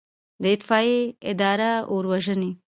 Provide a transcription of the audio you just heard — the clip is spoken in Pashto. د اطفائیې اداره اور وژني